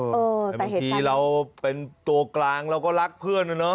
แต่เหตุผักเมื่อกี้เราเป็นตัวกลางเราก็รักเพื่อนนะนะ